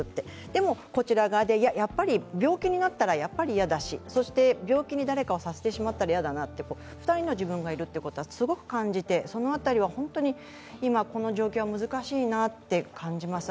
でも、こちら側で、やっぱり病気になったら嫌だし、そして、病気に誰かをさせてしまったら嫌だなって２人の自分がいることはすごく感じて、その辺りは本当に今この状況は難しいなと感じます。